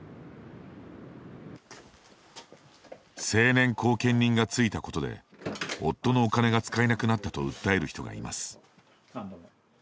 成年後見人がついたことで夫のお金が使えなくなったと訴える人がいます。